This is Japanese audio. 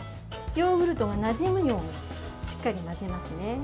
ヨーグルトがなじむようにしっかり混ぜますね。